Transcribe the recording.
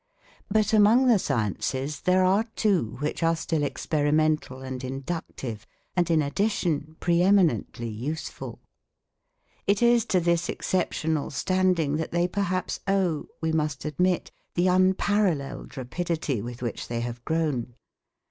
But among the sciences there are two which are still experimental and inductive and in addition pre eminently useful. It is to this exceptional standing that they perhaps owe, we must admit, the unparalled rapidity with which they have grown.